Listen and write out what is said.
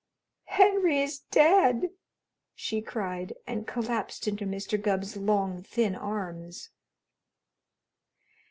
"Henry is dead!" she cried, and collapsed into Mr. Gubb's long, thin arms.